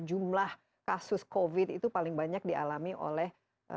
jumlah kasus covid itu paling banyak dialami oleh